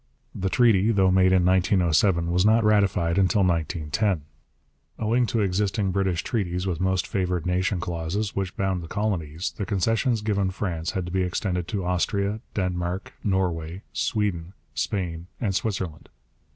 The treaty, though made in 1907, was not ratified until 1910. Owing to existing British treaties with most favoured nation clauses which bound the colonies, the concessions given France had to be extended to Austria, Denmark, Norway, Sweden, Spain, and Switzerland.